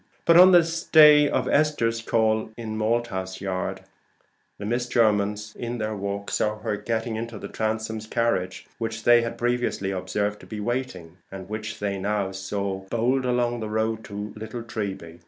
But on this day of Esther's call in Malthouse Yard, the Miss Jermyns in their walk saw her getting into the Transomes' carriage, which they had previously observed to be waiting, and which they now saw bowled along on the road toward Little Treby.